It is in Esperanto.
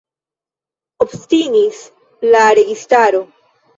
Obstinis la registaro.